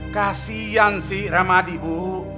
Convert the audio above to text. kasian si ramadi bu